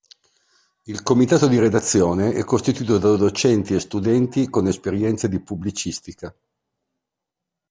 Il comitato di redazione è costituito da docenti e studenti con esperienze di pubblicistica.